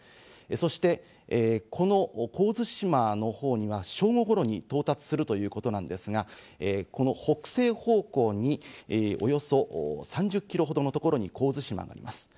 そして、この神津島のほうには正午ごろに到達するということなんですが、この北西方向におよそ３０キロほどのところに神津島があります。